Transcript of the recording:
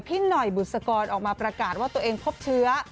พี่หน่อยบุษกรออกมาประกาศว่าตัวเองพบเชื้อ